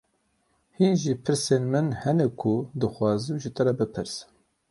Hîn jî pirsên min hene ku dixwazim ji te bipirsim.